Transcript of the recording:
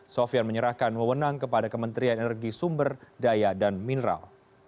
sofian menyerahkan mewenang kepada kementerian energi sumber daya dan mineral